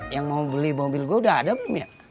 yang mau beli mobil gue udah ada belum ya